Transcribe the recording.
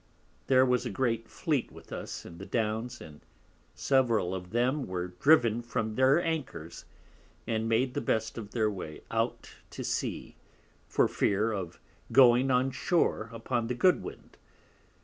There was a great Fleet with us in the Downs, and several of them were driven from their Anchors, and made the best of their way out to Sea for fear of going on shore upon the Goodwin.